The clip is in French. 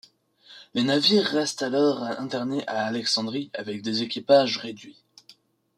Les navires restent alors internés à Alexandrie avec des équipages réduits.